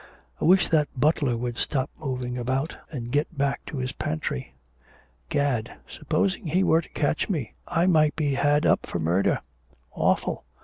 I wish that butler would stop moving about and get back to his pantry. Gad, supposing he were to catch me! I might be had up for murder. Awful!